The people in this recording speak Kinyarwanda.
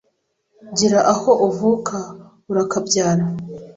gira aho uvuka, urakabyara,